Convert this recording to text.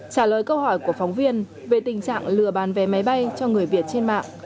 trả lời câu hỏi của phóng viên về tình trạng lừa bán vé máy bay cho người việt trên mạng